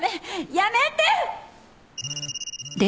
やめて！